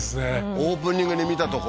オープニングに見た所？